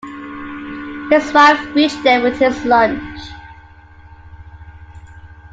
His wife reached there with his lunch.